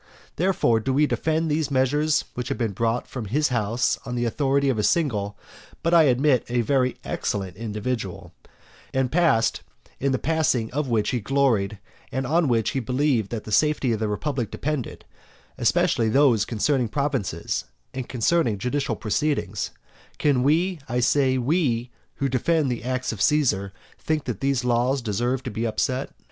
Therefore, do we defend these measures which have been brought from his house on the authority of a single, but, I admit, a very excellent individual, and as for the laws which he, in your presence, read, and declared, and passed, in the passing of which he gloried, and on which he believed that the safety of the republic depended, especially those concerning provinces and concerning judicial proceedings, can we, I say, we who defend the acts of Caesar, think that those laws deserve to be upset?